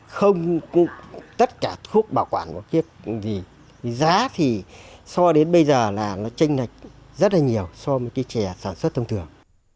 không tất cả thuốc bảo quản giá thì so đến bây giờ là nó tranh nạch rất là nhiều so với cây trẻ sản xuất thông thường